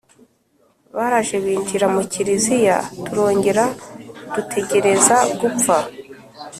Baraje binjira mu Kiliziya, turongera dutegereza gupfa